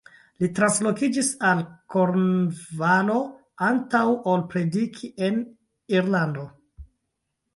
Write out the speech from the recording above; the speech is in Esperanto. Li translokiĝis al Kornvalo antaŭ ol prediki en Irlando.